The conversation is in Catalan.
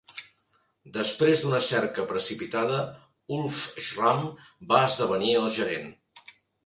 Després d'una cerca precipitada, Ulf Schramm va esdevenir el gerent.